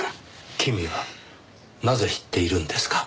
君はなぜ知っているんですか？